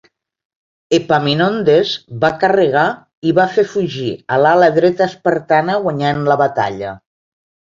Epaminondes va carregar i va fer fugir a l'ala dreta espartana, guanyant la batalla.